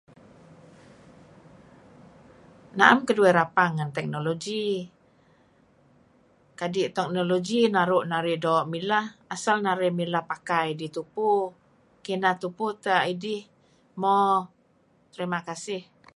Naem keduih rapang ngen teknologi kadi' teknologi naru' narih doo' mileh asal n arih mileh pakai dih tupu kineh tupu teh idih mo terima kasih.